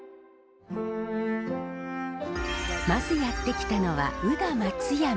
まずやって来たのは宇陀松山。